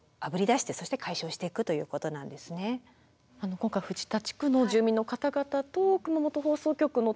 今回藤田地区の住民の方々と熊本放送局の取り組み